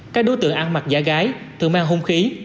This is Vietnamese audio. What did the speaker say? các đối tượng ăn mặc giả gái thường mang hung khí